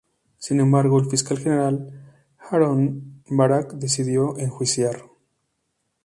Sin embargo, el fiscal general Aharon Barak decidió enjuiciar.